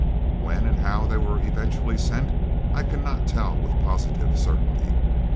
When and how they were eventually sent I cannot tell with positive certainty.